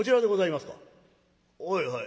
「はいはい。